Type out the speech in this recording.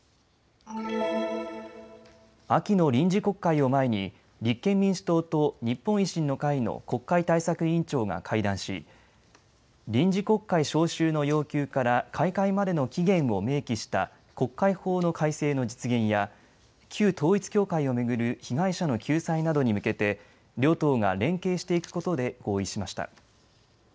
秋の臨時国会を前に立憲民主党と日本維新の会の国会対策委員長が会談し、臨時国会召集の要求から開会までの期限を明記した国会法の改正の実現や旧統一教会を巡る被害者の救済などに向けて両党が連携していくことで合意しました。